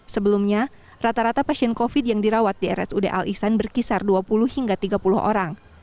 sebelumnya rata rata pasien covid yang dirawat di rsud al ihsan berkisar dua puluh hingga tiga puluh orang